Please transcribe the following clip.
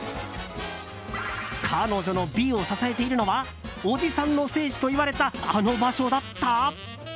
彼女の美を支えているのはおじさんの聖地といわれたあの場所だった？